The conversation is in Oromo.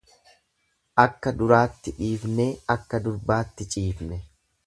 Akka duraatti dhiifnee akka durbaatti ciifne.